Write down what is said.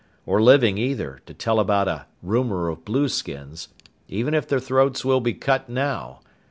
Or living, either, to tell about a rumor of blueskins. Even if their throats will be cut now.